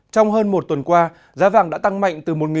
trong hơn một tuần qua giá vàng đã tăng mạnh từ một sáu trăm linh đồng